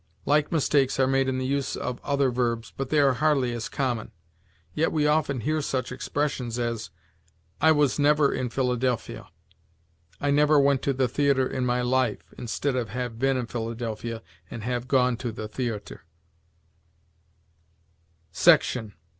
Like mistakes are made in the use of other verbs, but they are hardly as common; yet we often hear such expressions as, "I was never in Philadelphia," "I never went to the theatre in my life," instead of have been in Philadelphia, and have gone to the theatre. SECTION.